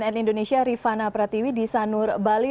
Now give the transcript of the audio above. pdip pdip di sanur bali